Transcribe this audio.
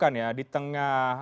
jadi ini harus diberlakukan ya